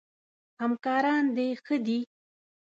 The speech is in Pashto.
همکاران د ښه دي؟